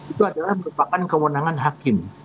itu adalah merupakan kewenangan hakim